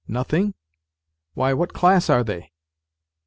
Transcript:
" Nothing ? Why, what class are they